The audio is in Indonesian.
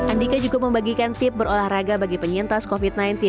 andika juga membagikan tip berolahraga bagi penyintas covid sembilan belas